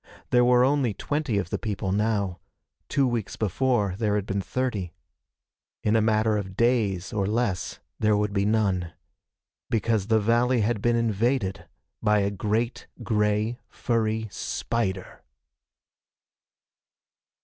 There were only twenty of the people now. Two weeks before there had been thirty. In a matter of days or less, there would be none. Because the valley had been invaded by a great gray furry spider!